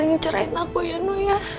jangan ngerahin aku ya no